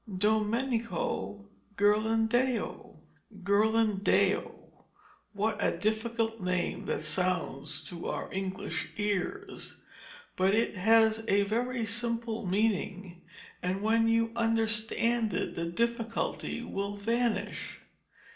DOMENICO GHIRLANDAIO Ghirlandaio! what a difficult name that sounds to our English ears. But it has a very simple meaning, and when you understand it the difficulty will vanish.